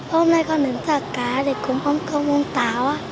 hôm nay con đến thả cá để cùng ông công ông táo